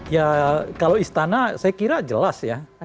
ya kalau istana saya kira jelas ya